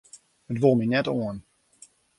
It wol my net oan.